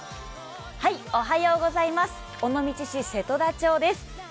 尾道市瀬戸田町です。